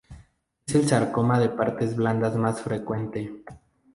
Es el sarcoma de partes blandas más frecuente.